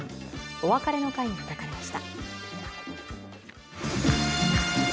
お別れの会が開かれました。